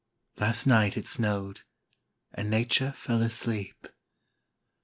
Last night it snowed; and Nature fell asleep.